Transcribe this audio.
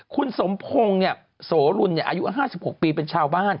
คุณสมพงศ์โสลุนอายุ๕๖ปีเป็นชาวบ้าน